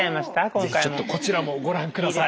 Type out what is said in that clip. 是非ちょっとこちらもご覧ください。